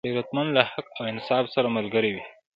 غیرتمند له حق او انصاف سره ملګری وي